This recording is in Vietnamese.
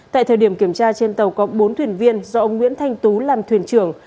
tại thời điểm kiểm tra trên tàu có bốn thuyền viên do ông nguyễn thanh tú làm thuyền trưởng